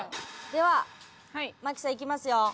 では麻貴さんいきますよ。